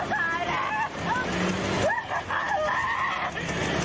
แม่ก็ยาว